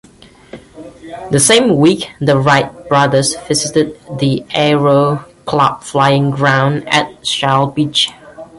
The same week the Wright brothers visited the Aero Club flying ground at Shellbeach.